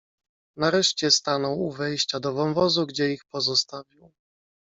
"Nareszcie stanął u wejścia do wąwozu, gdzie ich pozostawił."